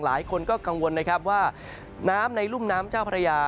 หลายคนก็กังวลนะครับว่าน้ำในรุ่มน้ำเจ้าพระยา